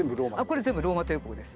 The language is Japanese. これ全部ローマ帝国です。